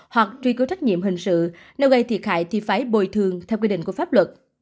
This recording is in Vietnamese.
hoặc truy cứu trách nhiệm hình sự nếu gây thiệt hại thì phải bồi thường theo quy định của pháp luật